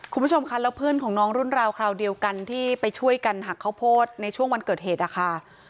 คุณผู้ชมค่ะแล้วเพื่อนของน้องรุ่นราวคราวเดียวกันที่ไปช่วยกันหักข้าวโพดในช่วงวันเกิดเหตุนะคะ